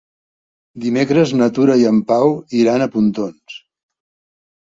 Dimecres na Tura i en Pau iran a Pontons.